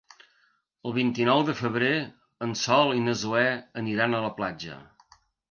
El vint-i-nou de febrer en Sol i na Zoè aniran a la platja.